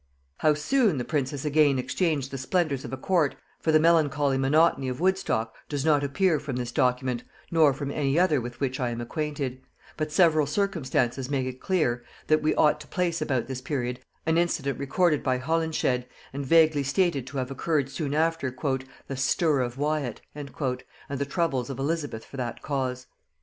How soon the princess again exchanged the splendors of a court for the melancholy monotony of Woodstock does not appear from this document, nor from any other with which I am acquainted; but several circumstances make it clear that we ought to place about this period an incident recorded by Holinshed, and vaguely stated to have occurred soon after "the stir of Wyat" and the troubles of Elizabeth for that cause.